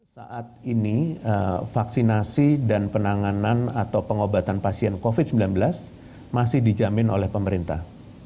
saat ini vaksinasi dan penanganan atau pengobatan pasien covid sembilan belas masih dijamin oleh pemerintah